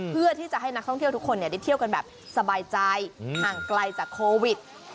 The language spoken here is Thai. เพื่อที่จะให้นักท่องเที่ยวทุกคนได้เที่ยวกันแบบสบายใจห่างไกลจากโควิด